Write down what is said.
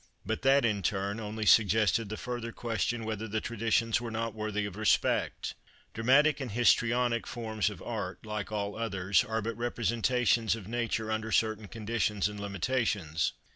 But that, in turn, only suggested the further question whether the traditions were not worthy of respect. Dramatic and histrionic forms of art, like all others, are but representations of nature under certain conditions and limitations.